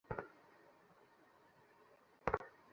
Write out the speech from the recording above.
আর আহার শুদ্ধ হইলে সত্ত্ব-পদার্থ নির্মল হইবে।